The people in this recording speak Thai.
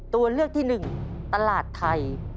ตัวเลือกที่๑ตลาดไทย